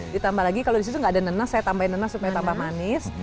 ditambah lagi kalau di situ nggak ada nenas saya tambahin neneng supaya tambah manis